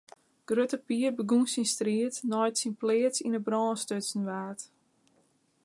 Grutte Pier begûn syn striid nei't syn pleats yn 'e brân stutsen waard.